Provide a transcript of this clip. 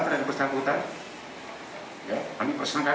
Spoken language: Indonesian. kita tidak dalami kita lakukan pemeriksaan pada kb tumas polda metro jaya